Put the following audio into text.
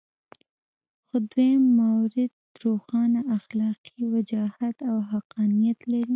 خو دویم مورد روښانه اخلاقي وجاهت او حقانیت لري.